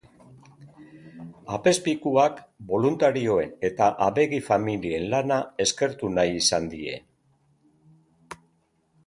Apezpikuak boluntarioen eta abegi-familien lana eskertu nahi izan die.